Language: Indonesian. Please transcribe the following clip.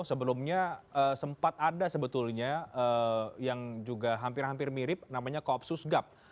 sebelumnya sempat ada sebetulnya yang juga hampir hampir mirip namanya koopsus gap